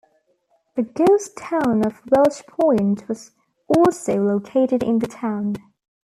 The ghost town of Welch Point was also located in the town.